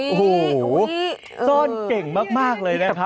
โอ้โหซ่อนเก่งมากเลยนะครับ